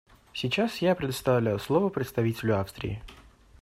Сейчас я предоставляю слово представителю Австрии.